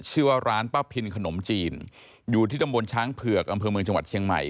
ชื่อว่าร้านป้าพินขนมจีนอยู่ที่ตำบลช้างเผือกอำเภอเมืองจังหวัดเชียงใหม่